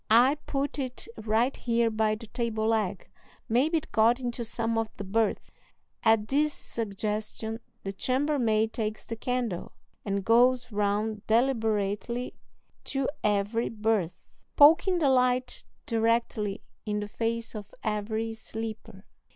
"I put it right here by the table leg; maybe it got into some of the berths." At this suggestion the chambermaid takes the candle, and goes round deliberately to every berth, poking the light directly in the face of every sleeper.